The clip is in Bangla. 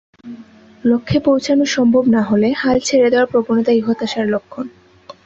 লক্ষ্যে পৌঁছানো সম্ভব না হলে হাল ছেড়ে দেয়ার প্রবণতা-ই হতাশার লক্ষণ।